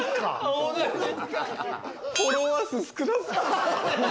フォロワー数少なそう。